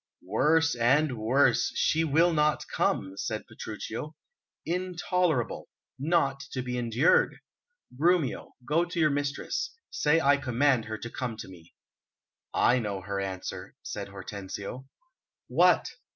"Worse and worse, 'she will not come!'" said Petruchio. "Intolerable, not to be endured! Grumio, go to your mistress: say I command her to come to me." "I know her answer," said Hortensio. "What?"